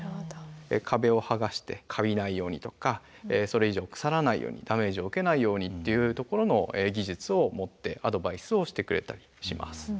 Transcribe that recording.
壁をはがしてカビないようにとかそれ以上腐らないようにダメージを受けないようにっていうところの技術を持ってアドバイスをしてくれたりします。